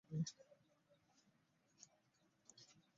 Ate baatulozaako dda mujjukira.